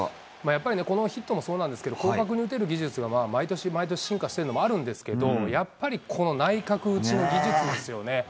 やっぱり、このヒットもそうなんですけど、広角に打てる技術が、毎年、毎年進化してるのもあるんですけど、やっぱりこの内角打ちの技術ですよね。